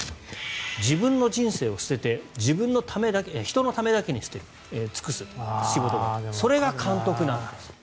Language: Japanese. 自分の人生を捨てて人のためだけに尽くす仕事があるそれが監督なんだと。